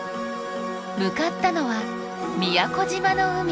向かったのは宮古島の海。